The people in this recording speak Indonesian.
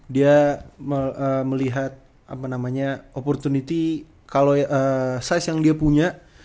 dia melihat opportunity kalau size yang dia punya